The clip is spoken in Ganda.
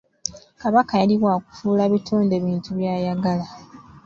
Kabaka yali wa kufuula bitonde bintu by'ayagala.